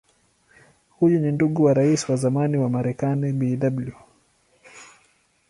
Huyu ni ndugu wa Rais wa zamani wa Marekani Bw.